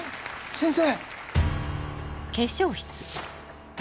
先生？